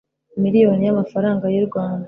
miliyoni y amafaranga y u Rwanda